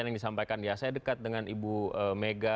dan yang disampaikan ya saya dekat dengan ibu mega